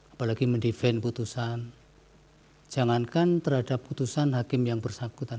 apalagi mendefense putusan jangankan terhadap putusan hakim yang bersangkutan